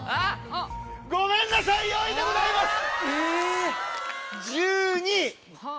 ごめんなさい４位でございます！